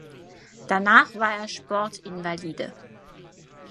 Danach war er Sportinvalide.